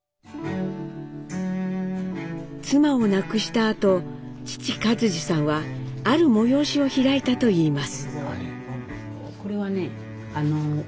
妻を亡くしたあと父克爾さんはある催しを開いたといいます。